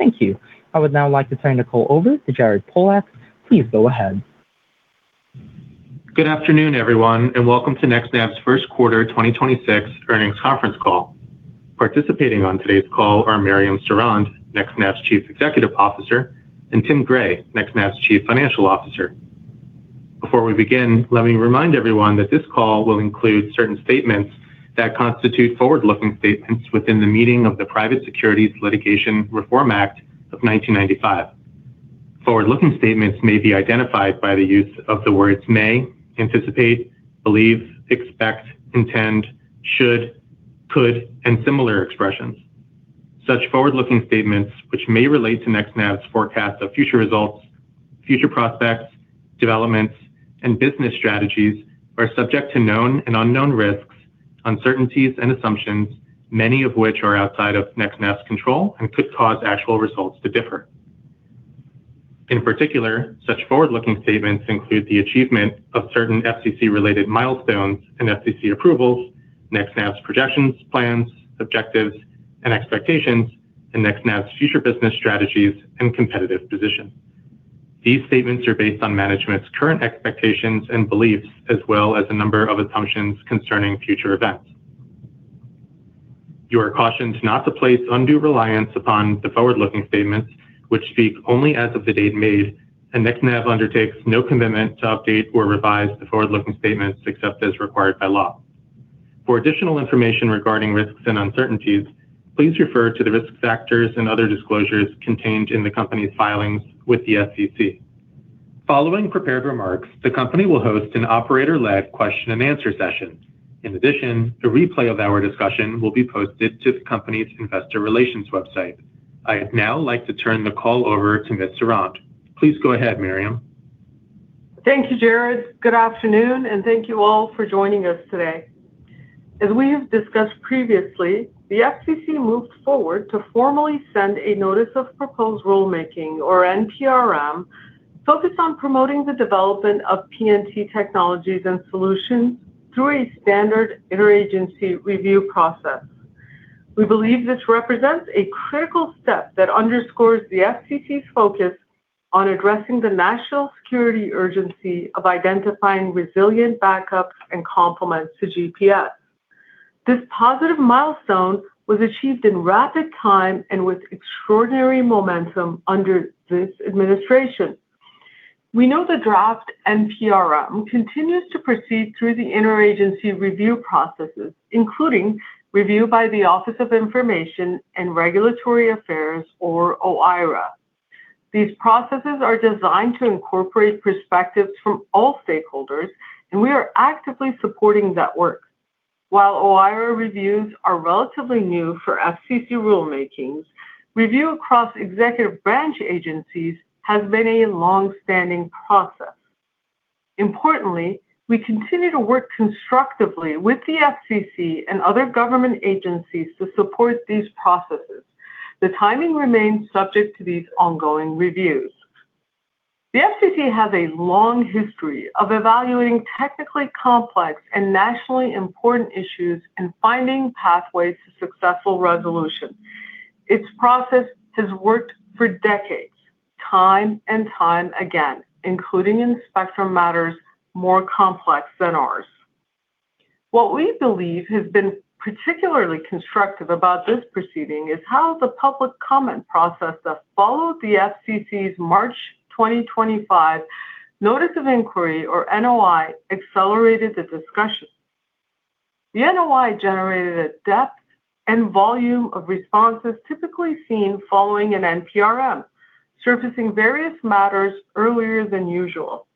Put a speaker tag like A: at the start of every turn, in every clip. A: Thank you. I would now like to turn the call over to Jared Pollack. Please go ahead.
B: Good afternoon, everyone, and welcome to NextNav's First Quarter 2026 Earnings Conference Call. Participating on today's call are Mariam Sorond, NextNav's Chief Executive Officer, and Tim Gray, NextNav's Chief Financial Officer. Before we begin, let me remind everyone that this call will include certain statements that constitute forward-looking statements within the meaning of the Private Securities Litigation Reform Act of 1995. Forward-looking statements may be identified by the use of the words may, anticipate, believe, expect, intend, should, could, and similar expressions. Such forward-looking statements, which may relate to NextNav's forecast of future results, future prospects, developments, and business strategies are subject to known, and unknown risks, uncertainties, and assumptions, many of which are outside of NextNav's control and could cause actual results to differ. In particular, such forward-looking statements include the achievement of certain FCC-related milestones and FCC approvals, NextNav's projections, plans, objectives, and expectations, and NextNav's future business strategies and competitive position. These statements are based on management's current expectations and beliefs as well as a number of assumptions concerning future events. You are cautioned not to place undue reliance upon the forward-looking statements which speak only as of the date made, and NextNav undertakes no commitment to update or revise the forward-looking statements except as required by law. For additional information regarding risks and uncertainties, please refer to the risk factors and other disclosures contained in the company's filings with the SEC. Following prepared remarks, the company will host an operator-led question and answer session. In addition, a replay of our discussion will be posted to the company's investor relations website. I'd now like to turn the call over to Ms. Sorond. Please go ahead, Mariam.
C: Thank you, Jared. Good afternoon, and thank you all for joining us today. As we have discussed previously, the FCC moved forward to formally send a Notice of Proposed Rulemaking, or NPRM, focused on promoting the development of PNT technologies and solutions through a standard interagency review process. We believe this represents a critical step that underscores the FCC's focus on addressing the National Security urgency of identifying resilient backups and complements to GPS. This positive milestone was achieved in rapid time and with extraordinary momentum under this administration. We know the draft NPRM continues to proceed through the interagency review processes, including review by the Office of Information and Regulatory Affairs or OIRA. These processes are designed to incorporate perspectives from all stakeholders, we are actively supporting that work. While OIRA reviews are relatively new for FCC Rulemakings, review across executive branch agencies has been a longstanding process. Importantly, we continue to work constructively with the FCC and other government agencies to support these processes. The timing remains subject to these ongoing reviews. The FCC has a long history of evaluating technically complex and nationally important issues and finding pathways to successful resolution. Its process has worked for decades, time, and time again, including in spectrum matters more complex than ours. What we believe has been particularly constructive about this proceeding is how the public comment process that followed the FCC's March 2025 Notice of Inquiry, or NOI, accelerated the discussion. The NOI generated a depth and volume of responses typically seen following an NPRM, surfacing various matters earlier than usual.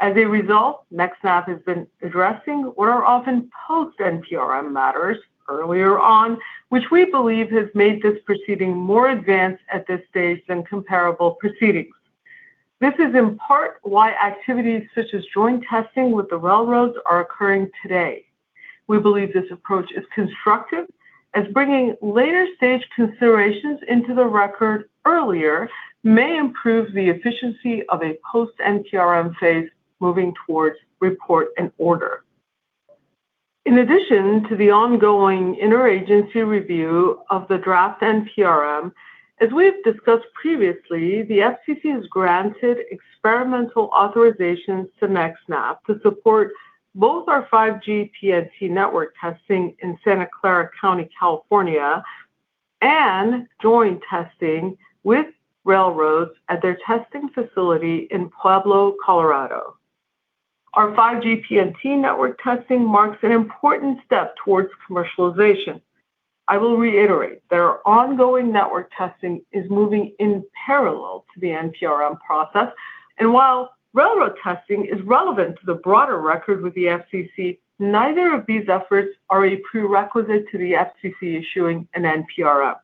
C: As a result, NextNav has been addressing what are often post-NPRM matters earlier on, which we believe has made this proceeding more advanced at this stage than comparable proceedings. This is in part why activities such as joint testing with the railroads are occurring today. We believe this approach is constructive as bringing later-stage considerations into the record earlier may improve the efficiency of a post-NPRM phase moving towards report and order. In addition to the ongoing interagency review of the draft NPRM, as we have discussed previously, the FCC has granted experimental authorizations to NextNav to support both our 5G PNT network testing in Santa Clara County, California, and joint testing with railroads at their testing facility in Pueblo, Colorado. Our 5G PNT network testing marks an important step towards commercialization. I will reiterate that our ongoing network testing is moving in parallel to the NPRM process, and while railroad testing is relevant to the broader record with the FCC, neither of these efforts are a prerequisite to the FCC issuing an NPRM.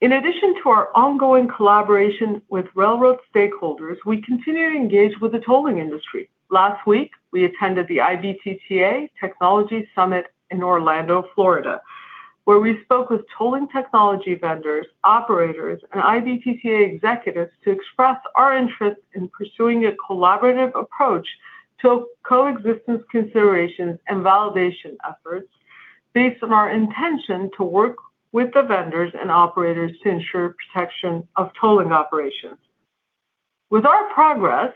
C: In addition to our ongoing collaboration with railroad stakeholders, we continue to engage with the tolling industry. Last week, we attended the IBTTA Technology Summit in Orlando, Florida, where we spoke with tolling technology vendors, operators, and IBTTA executives to express our interest in pursuing a collaborative approach to coexistence considerations and validation efforts. Based on our intention to work with the vendors and operators to ensure protection of tolling operations. With our progress,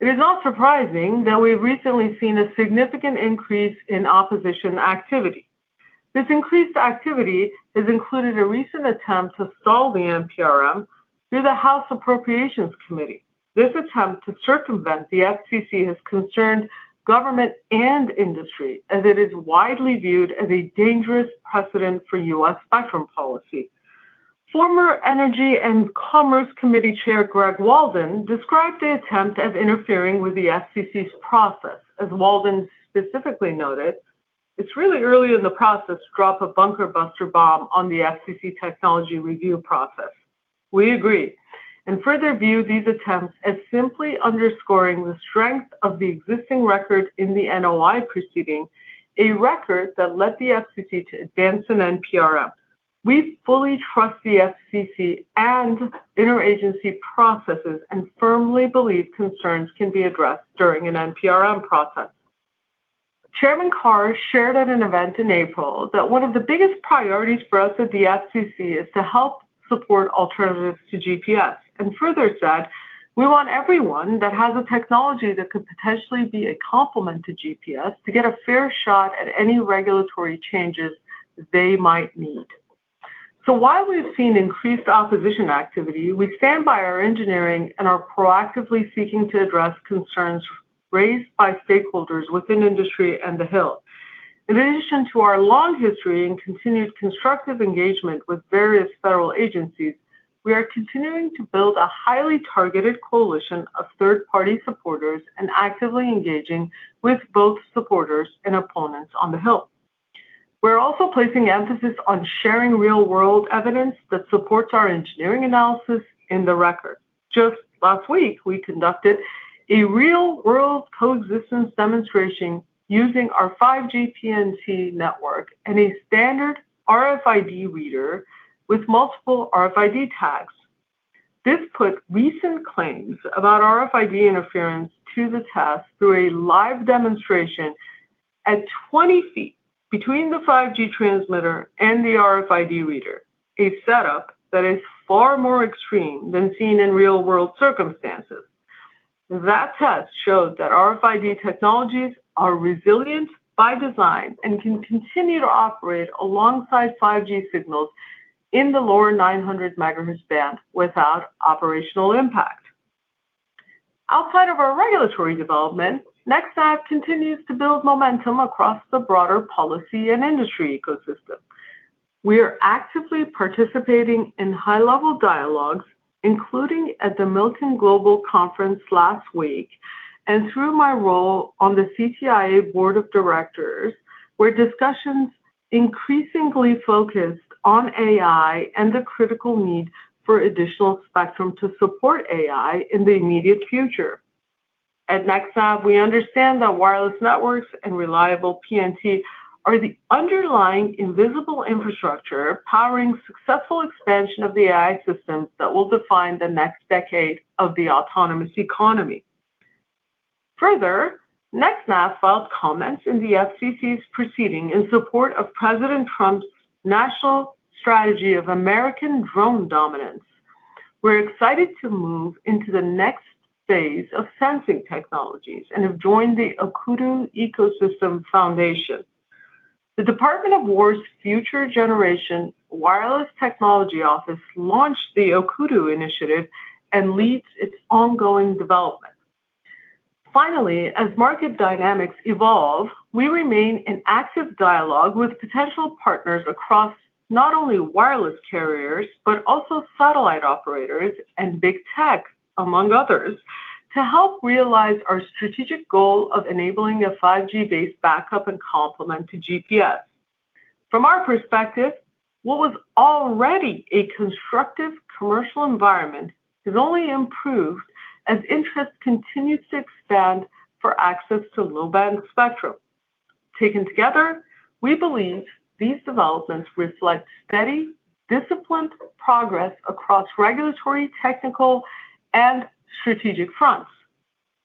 C: it is not surprising that we've recently seen a significant increase in opposition activity. This increased activity has included a recent attempt to stall the NPRM through the House of Appropriations Committee. This attempt to circumvent the FCC has concerned government and industry, as it is widely viewed as a dangerous precedent for U.S. spectrum policy. Former Energy and Commerce Committee Chair, Greg Walden described the attempt as interfering with the FCC's process. As Walden specifically noted, it's really early in the process to drop a bunker buster bomb on the FCC technology review process. We agree, and further view these attempts as simply underscoring the strength of the existing record in the NOI proceeding, a record that led the FCC to advance an NPRM. We fully trust the FCC and interagency processes and firmly believe concerns can be addressed during an NPRM process. Chairman Carr shared at an event in April that one of the biggest priorities for us at the FCC is to help support alternatives to GPS, and further said, we want everyone that has a technology that could potentially be a complement to GPS to get a fair shot at any regulatory changes they might need. While we've seen increased opposition activity, we stand by our engineering and are proactively seeking to address concerns raised by stakeholders within industry and the Hill. In addition to our long history and continued constructive engagement with various federal agencies, we are continuing to build a highly targeted coalition of third-party supporters and actively engaging with both supporters and opponents on the Hill. We're also placing emphasis on sharing real-world evidence that supports our engineering analysis in the record. Just last week, we conducted a real-world coexistence demonstration using our 5G PNT network and a standard RFID reader with multiple RFID tags. This put recent claims about RFID interference to the test through a live demonstration at 20 ft between the 5G transmitter and the RFID reader, a setup that is far more extreme than seen in real-world circumstances. That test showed that RFID technologies are resilient by design and can continue to operate alongside 5G signals in the lower 900 MHz band without operational impact. Outside of our regulatory development, NextNav continues to build momentum across the broader policy and industry ecosystem. We are actively participating in high-level dialogues, including at the Milken Global Conference last week and through my role on the CTIA Board of Directors, where discussions increasingly focused on AI and the critical need for additional spectrum to support AI in the immediate future. At NextNav, we understand that wireless networks and reliable PNT are the underlying invisible infrastructure powering successful expansion of the AI systems that will define the next decade of the autonomous economy. Further, NextNav filed comments in the FCC's proceeding in support of President Trump's Unleashing American Drone Dominance. We're excited to move into the next phase of sensing technologies and have joined the OCUDU Ecosystem Foundation. The Department of Wars Future Generation Wireless Technology Office launched the OCUDU initiative and leads its ongoing development. Finally, as market dynamics evolve, we remain in active dialogue with potential partners across not only wireless carriers, but also satellite operators and big tech, among others, to help realize our strategic goal of enabling a 5G-based backup and complement to GPS. From our perspective, what was already a constructive commercial environment has only improved as interest continues to expand for access to low-band spectrum. Taken together, we believe these developments reflect steady, disciplined progress across regulatory, technical, and strategic fronts.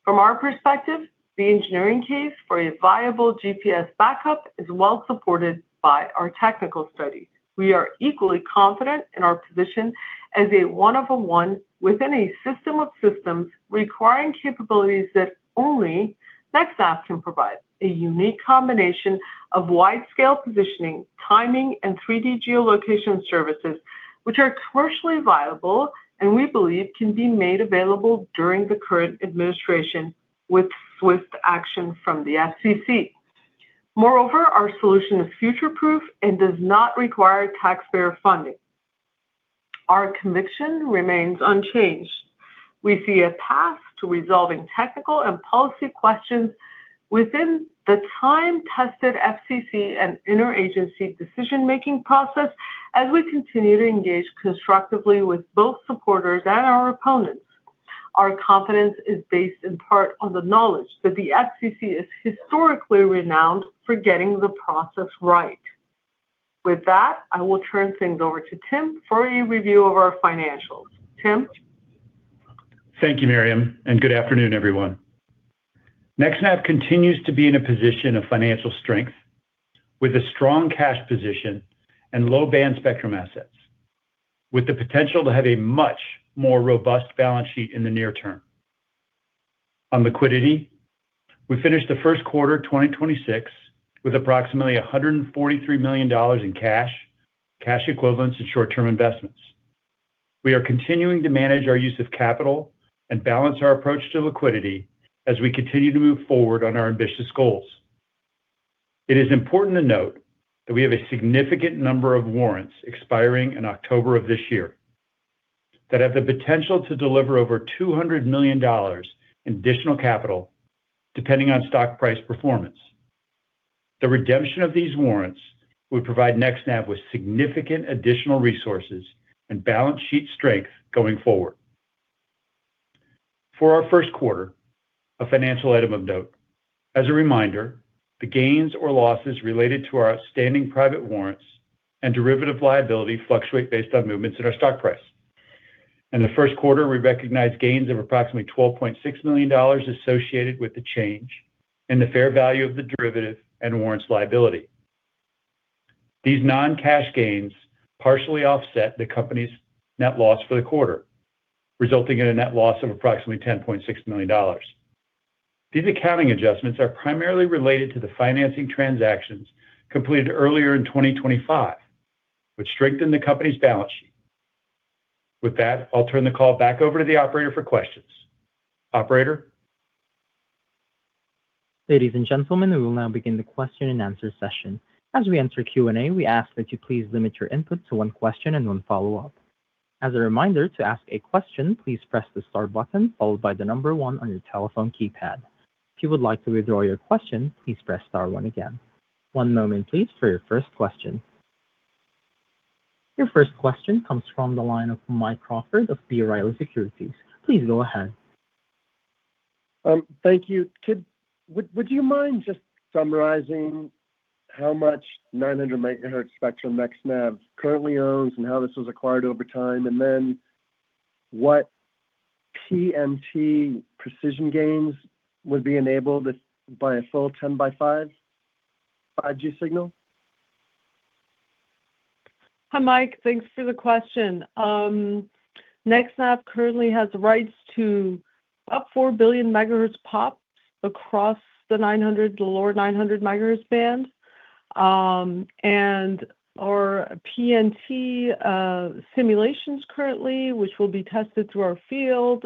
C: From our perspective, the engineering case for a viable GPS backup is well-supported by our technical study. We are equally confident in our position as a one of a one within a system of systems requiring capabilities that only NextNav can provide, a unique combination of wide-scale Positioning, Timing, and 3D geolocation services which are commercially viable and we believe can be made available during the current administration with swift action from the FCC. Moreover, our solution is future-proof and does not require taxpayer funding. Our conviction remains unchanged. We see a path to resolving technical and policy questions within the time-tested FCC and interagency decision-making process as we continue to engage constructively with both supporters and our opponents. Our confidence is based in part on the knowledge that the FCC is historically renowned for getting the process right. With that, I will turn things over to Tim for a review of our financials. Tim?
D: Thank you, Mariam, and good afternoon, everyone. NextNav continues to be in a position of financial strength with a strong cash position and low band spectrum assets, with the potential to have a much more Robust Balance Sheet in the near term. On liquidity, we finished the first quarter of 2026 with approximately $143 million in cash, cash equivalents, and short-term investments. We are continuing to manage our use of capital and balance our approach to liquidity as we continue to move forward on our ambitious goals. It is important to note that we have a significant number of warrants expiring in October of this year that have the potential to deliver over $200 million in additional capital, depending on stock price performance. The redemption of these warrants would provide NextNav with significant additional resources and balance sheet strength going forward. For our first quarter, a financial item of note. As a reminder, the gains or losses related to our outstanding private warrants and derivative liability fluctuate based on movements in our stock price. In the first quarter, we recognized gains of approximately $12.6 million associated with the change in the fair value of the derivative and warrants liability. These non-cash gains partially offset the company's net loss for the quarter, resulting in a net loss of approximately $10.6 million. These accounting adjustments are primarily related to the financing transactions completed earlier in 2025, which strengthened the company's balance sheet. With that, I'll turn the call back over to the operator for questions. Operator?
A: Ladies and gentlemen, we will now begin the question and answer session. As we enter Q&A, we ask that you please limit your input to one question and one follow-up. As a reminder, to ask a question, please press the star button followed by the number one on your telephone keypad. If you would like to withdraw your question, please press star one again. One moment please for your first question. Your first question comes from the line of Mike Crawford of B. Riley Securities. Please go ahead.
E: Thank you. Would you mind just summarizing how much 900 MHz spectrum NextNav currently owns and how this was acquired over time? And then, what PNT precision gains would be enabled by a full 10 by 5 5G signal?
C: Hi, Mike. Thanks for the question. NextNav currently has rights to up 4 billion MHz POP across the 900 MHz, the lower 900 MHz band. And our PNT simulations currently, which will be tested through our field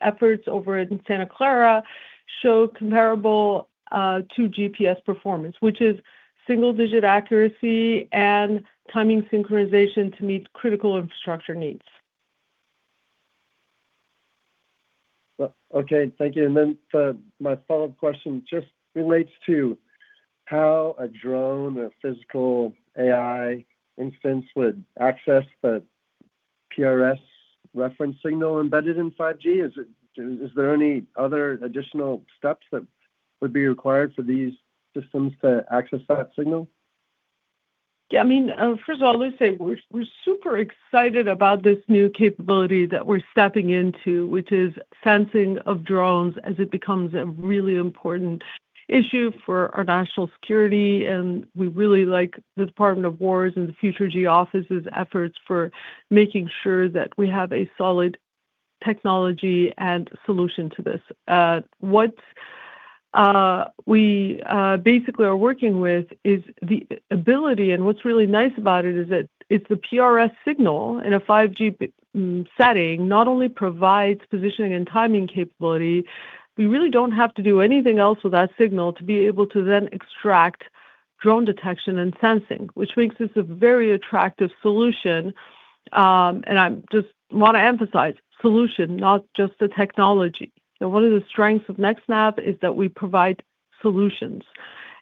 C: efforts over in Santa Clara, show comparable to GPS performance, which is single-digit accuracy and timing synchronization to meet Critical Infrastructure needs.
E: Well, okay. Thank you. Then for my follow-up question, just relates to how a drone, a physical AI instance would access the PRS reference signal embedded in 5G. Is there any other additional steps that would be required for these systems to access that signal?
C: Yeah, I mean, first of all, let's say we're super excited about this new capability that we're stepping into, which is sensing of drones as it becomes a really important issue for our National Security. We really like the Department of Wars and the FutureG Office's efforts for making sure that we have a solid technology and solution to this. What we basically are working with is the ability, and what's really nice about it is that it's the PRS signal in a 5G setting, not only provides positioning and timing capability. We really don't have to do anything else with that signal to be able to then extract drone detection and sensing, which makes this a very attractive solution. I just want to emphasize solution, not just the technology. One of the strengths of NextNav is that we provide solutions.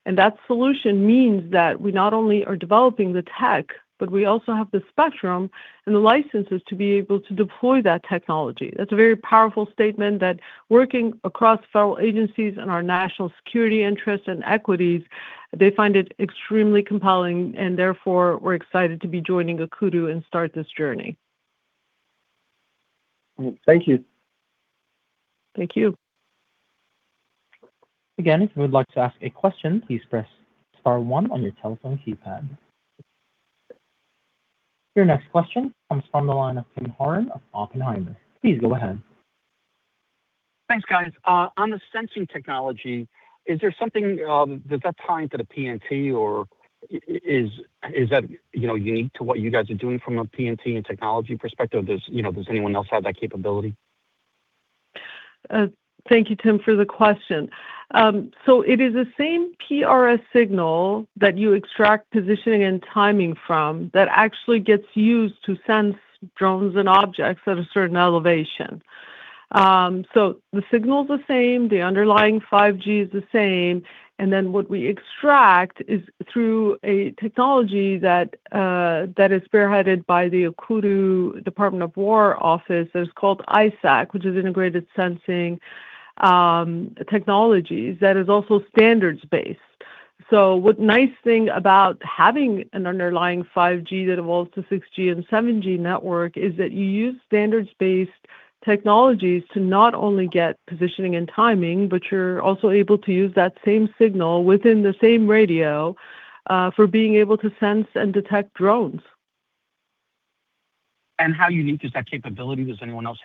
C: That solution means that we not only are developing the tech, but we also have the spectrum and the licenses to be able to deploy that technology. That's a very powerful statement that working across federal agencies and our National Security interests and equities, they find it extremely compelling, and therefore, we're excited to be joining OCUDU and start this journey.
E: Thank you.
C: Thank you.
A: Again, if you would like to ask a question, please press star one on your telephone keypad. Your next question comes from the line of Tim Horan of Oppenheimer. Please go ahead.
F: Thanks, guys. On the sensing technology, is there something, does that tie into the PNT or is that, you know, unique to what you guys are doing from a PNT and technology perspective? Does, you know, does anyone else have that capability?
C: Thank you, Tim, for the question. It is the same PRS signal that you extract positioning and timing from that actually gets used to sense drones and objects at a certain elevation. The signal's the same, the underlying 5G is the same, what we extract is through a technology that is spearheaded by the OCUDU Department of War Office, it's called ISAC, which is Integrated Sensing Technologies that is also standards-based. What nice thing about having an underlying 5G that evolves to 6G and 7G network is that you use standards-based technologies to not only get positioning and timing, but you're also able to use that same signal within the same radio for being able to sense and detect drones.
F: How unique is that capability? Does anyone else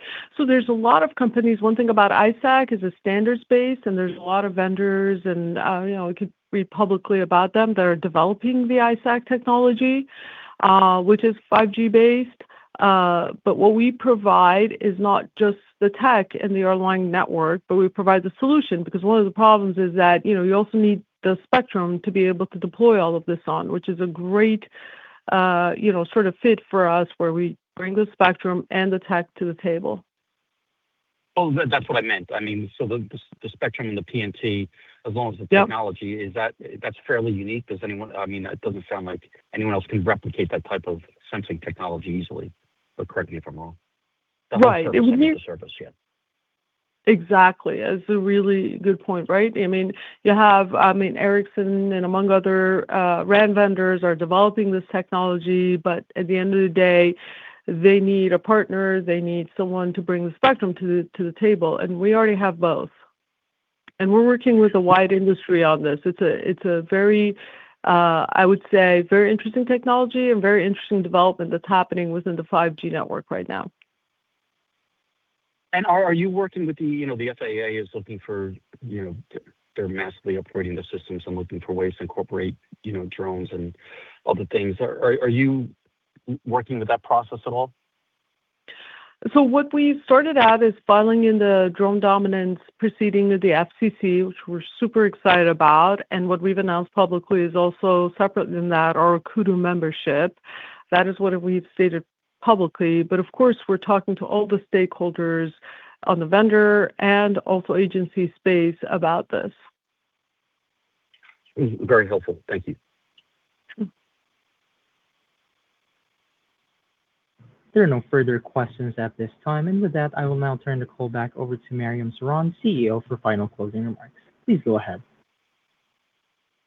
F: have that to your knowledge?
C: There's a lot of companies. One thing about ISAC is it's standards-based, and there's a lot of vendors and, you know, it could be publicly about them. They're developing the ISAC technology, which is 5G-based. What we provide is not just the tech and the underlying network, but we provide the solution. One of the problems is that, you know, you also need the spectrum to be able to deploy all of this on, which is a great, you know, sort of fit for us where we bring the spectrum and the tech to the table.
F: Oh, that's what I meant. I mean, the spectrum and the PNT as long as-
C: Yep.
F: The technology is that's fairly unique. Does anyone, I mean, it doesn't sound like anyone else can replicate that type of sensing technology easily? Correct me if I'm wrong.
C: Right.
F: That don't serve the same service yet.
C: Exactly. That's a really good point, right? You have Ericsson and among other RAN vendors are developing this technology. At the end of the day, they need a partner. They need someone to bring the spectrum to the table. We already have both. We're working with a wide industry on this. It's a very, I would say, very interesting technology and very interesting development that's happening within the 5G network right now.
F: And, are you working with the FAA is looking for, you know, they're massively upgrading the systems and looking for ways to incorporate, you know, drones and other things. Are you working with that process at all?
C: What we started out is filing in the Drone Dominance proceeding to the FCC, which we're super excited about, and what we've announced publicly is also separate than that, our OCUDU membership. That is what we've stated publicly. Of course, we're talking to all the stakeholders on the vendor and also agency space about this.
F: Very helpful. Thank you.
A: There are no further questions at this time. With that, I will now turn the call back over to Mariam Sorond, CEO, for final closing remarks. Please go ahead.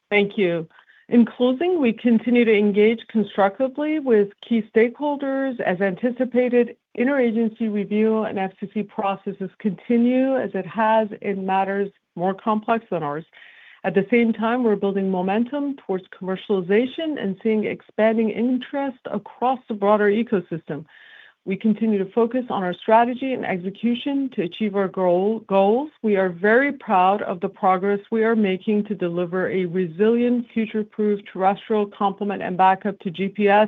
C: Thank you. In closing, we continue to engage constructively with key stakeholders as anticipated. Interagency review and FCC processes continue as it has in matters more complex than ours. At the same time, we're building momentum towards commercialization and seeing expanding interest across the broader ecosystem. We continue to focus on our strategy and execution to achieve our goals. We are very proud of the progress we are making to deliver a resilient, future-proof, Terrestrial Complement and Backup to GPS,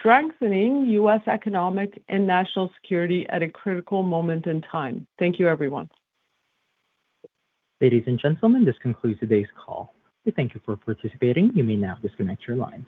C: strengthening U.S. Economic and National Security at a critical moment in time. Thank you, everyone.
A: Ladies and gentlemen, this concludes today's call. We thank you for participating. You may now disconnect your lines.